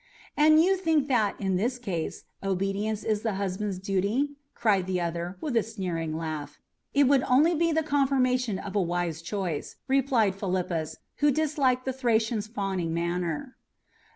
"And you think that, in this case, obedience is the husband's duty?" cried the other, with a sneering laugh. "It would only be the confirmation of a wise choice," replied Philippus, who disliked the Thracian's fawning manner.